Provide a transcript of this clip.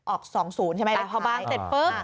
ออก๒๐ใช่ไหมเลยพอบางเสร็จปุ๊บ